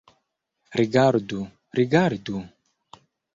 Rigardu, rigardu!